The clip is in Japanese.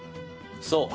そう。